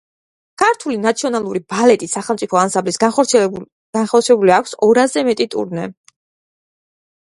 ქართული ნაციონალური ბალეტის სახელმწიფო ანსამბლს განხორციელებული აქვს ორასზე მეტი ტურნე.